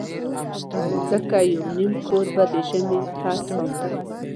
ځکه یو نیم کور به د ژمي پس ساته.